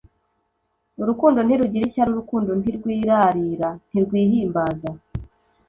urukundo ntirugira ishyari, urukundo ntirwirarira, ntirwihimbaza.”